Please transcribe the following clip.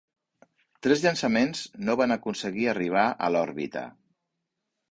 Tres llançaments no van aconseguir arribar a l'òrbita.